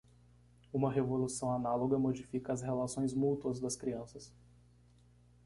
Uma revolução análoga modifica as relações mútuas das crianças.